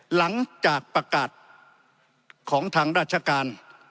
หลังจากประกาศของทางราชการ